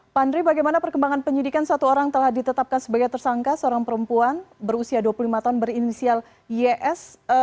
pak andri bagaimana perkembangan penyidikan satu orang telah ditetapkan sebagai tersangka seorang perempuan berusia dua puluh lima tahun berinisial ys